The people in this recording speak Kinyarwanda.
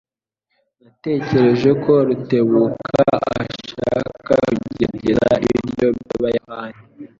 Natekereje ko Rutebuka ashaka kugerageza ibiryo byabayapani.